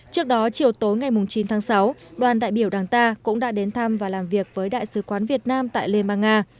trước đó chiều tối ngày chín tháng sáu đoàn đại biểu đảng ta cũng đã đến thăm và làm việc với đại sứ quán việt nam tại liên bang nga